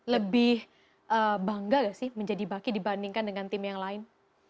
lebih bangga gak sih menjadi baki dibandingkan dengan tim yang lain